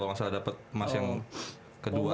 kalau gak salah dapet mas yang kedua tuh